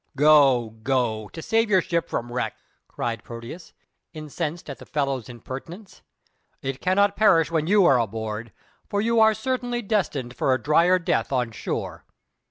"Go, go, to save your ship from wreck!" cried Proteus, incensed at the fellow's impertinence. "It cannot perish when you are aboard, for you are certainly destined for a drier death on shore!